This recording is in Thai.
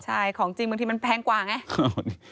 ใช่ของจริงบางทีมันแพงกว่าไง